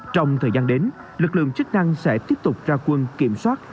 trong thời gian đến lực lượng chức năng sẽ tiếp tục ra quân kiểm soát